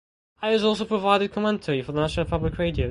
Ayers also provided commentary for National Public Radio.